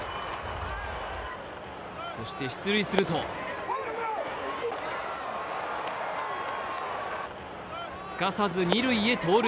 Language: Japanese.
そして出塁するとすかさず二塁へ盗塁。